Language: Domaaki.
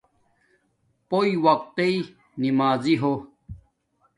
پوݵ وقت تݵ نمازی ہو